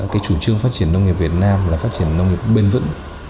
cái chủ trương phát triển nông nghiệp việt nam là phát triển nông nghiệp bền vững